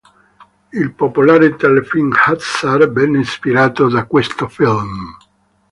Il popolare telefilm "Hazzard" venne ispirato da questo film.